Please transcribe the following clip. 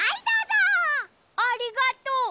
ありがとう！